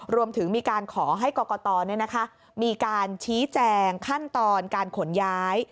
รวมถึงมีการขอให้กรกตมีการชี้แจงขั้นตอนการขนย้าย